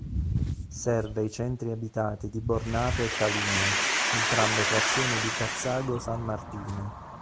Serve i centri abitati di Bornato e Calino, entrambe frazioni di Cazzago San Martino.